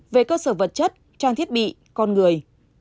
về cơ sở vật chất trang thiết bị con người